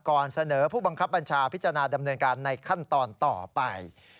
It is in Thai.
ก่อนเสนอผู้บังคับบัญชาพิจารณาดำเนินการในขั้นตอนต่อไป